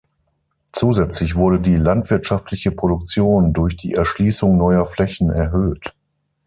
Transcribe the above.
Zusätzlich wurde die landwirtschaftliche Produktion durch die Erschließung neuer Flächen erhöht.